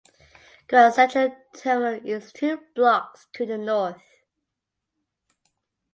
Grand Central Terminal is two blocks to the north.